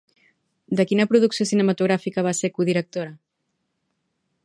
De quina producció cinematogràfica va ser codirectora?